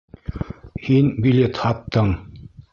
Һин билет һаттың!